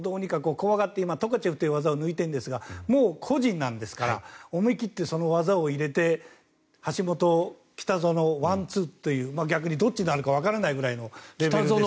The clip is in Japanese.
怖がって今、トカチェフという技を抜いているんですがもう個人なんですから思い切ってその技を入れて橋本、北園ワンツーというどっちになるかわからないというレベルですが。